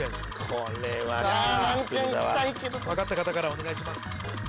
これは。分かった方からお願いします。